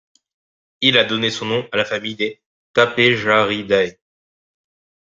Il a donné son nom à la famille des Tapejaridae.